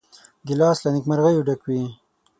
ګیلاس له نیکمرغیو ډک وي.